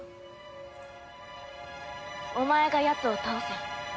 お前がやつを倒せ。